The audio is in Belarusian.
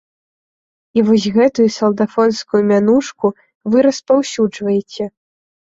І вось гэту салдафонскую мянушку вы распаўсюджваеце.